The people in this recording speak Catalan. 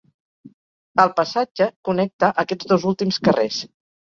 El passatge connecta aquests dos últims carrers.